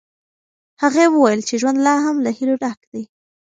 هغې وویل چې ژوند لا هم له هیلو ډک دی.